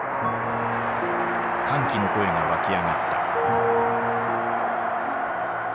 歓喜の声がわき上がった。